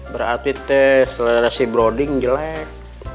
berarti teh selera si broding jelek